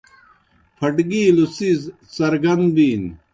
پھٹگِیلوْ څیز څرگَن بِینوْ۔